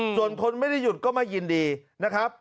ส่วนคนไม่ได้หยุดก็ไม่ยินดีนะครับ